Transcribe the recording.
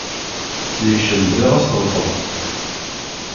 Yekcem bla asṭebṭeb.